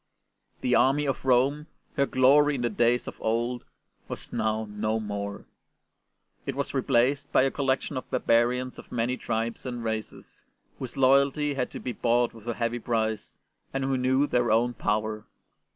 The army of Rome, her glory in the days of old, was now no more. It was replaced by a collection of barbarians of many tribes and ST. BENEDICT 19 races, whose loyalty had to be bought with a heavy price, and who knew their own power.